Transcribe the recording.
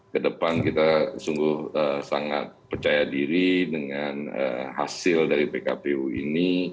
kedepan kita sungguh sangat percaya diri dengan hasil dari pkpu ini